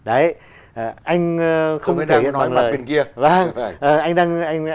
anh không thể hiện bằng lời